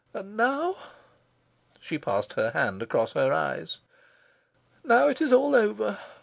And now," she passed her hand across her eyes, "now it is all over.